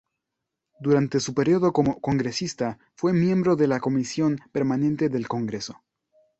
Durante su periodo como congresista, fue miembro de la Comisión Permanente del Congreso.